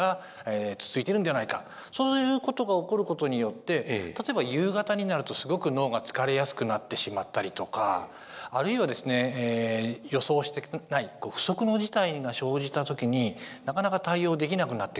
そういうことが起こることによって例えば夕方になるとすごく脳が疲れやすくなってしまったりとかあるいはですね予想してない不測の事態が生じた時になかなか対応できなくなってくる。